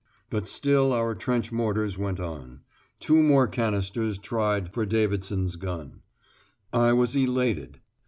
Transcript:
But still our trench mortars went on. Two more canisters tried for Davidson's gun. I was elated.